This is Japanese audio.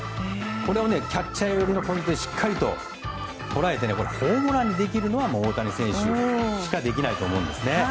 これをキャッチャー寄りのポイントでしっかりと捉えて、ホームランできるのは大谷選手しかできないと思うんですね。